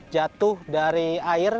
jatuh dari air